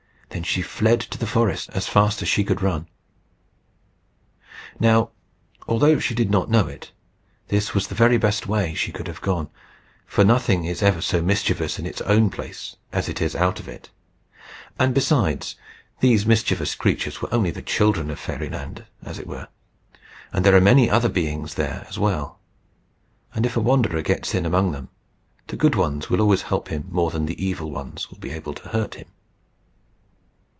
She then fled to the forest as fast as she could run. Now, although she did not know it, this was the very best way she could have gone; for nothing is ever so mischievous in its own place as it is out of it; and, besides, these mischievous creatures were only the children of Fairyland, as it were, and there are many other beings there as well; and if a wanderer gets in among them, the good ones will always help him more than the evil ones will be able to hurt him.